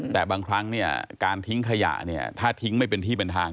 แต่บางครั้งการทิ้งขยะถ้าทิ้งไม่เป็นที่เป็นทาง